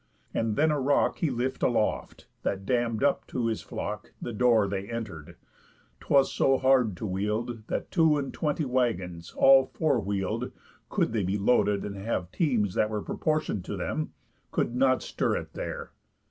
And then a rock He lift aloft, that damm'd up to his flock The door they enter'd; 'twas so hard to wield, That two and twenty waggons, all four wheel'd, (Could they be loaded, and have teams that were Proportion'd to them) could not stir it there.